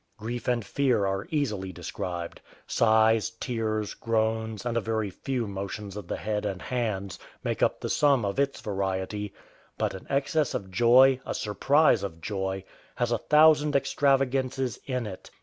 Grief and fear are easily described: sighs, tears, groans, and a very few motions of the head and hands, make up the sum of its variety; but an excess of joy, a surprise of joy, has a thousand extravagances in it.